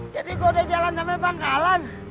jadi gua udah jalan sampai pangkalan